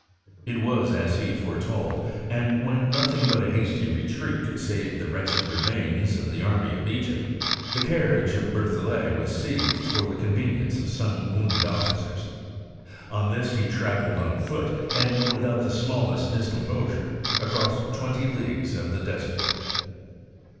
It was as he foretold : and when nothing but a hasty retreat could save the wretched remains of the army of Egypt, the carriage of Berthollet was seized for the convenience of some wounded officers. On this, he travelled on foot, and without the smallest discomposure, across twenty leagues of the desert.